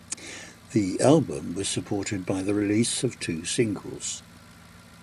The album was supported by the release of two singles.